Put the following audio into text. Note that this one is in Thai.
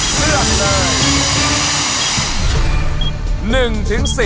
เลือกเลย